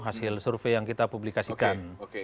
hasil survei yang kita publikasikan